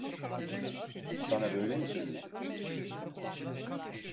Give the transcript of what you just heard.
Sana böyle mi söyledi?